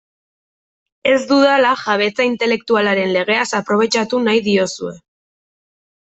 Ez dudala jabetza intelektualaren legeaz aprobetxatu nahi diozue.